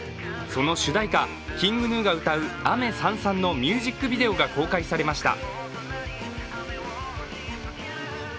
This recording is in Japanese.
その主題歌ＫｉｎｇＧｎｕが歌う「雨燦々」のミュージックビデオが公開されました。